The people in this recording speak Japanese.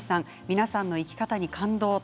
皆さんの生き方に感動。